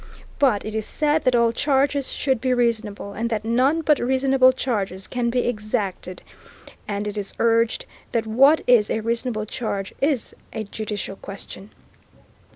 "But it is said that all charges should be reasonable, and that none but reasonable charges can be exacted; and it is urged that what is a reasonable charge is a judicial question.